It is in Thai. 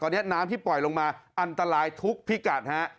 ตอนนี้น้ำที่ปล่อยลงมาอันตรายทุกพิกัดฮะ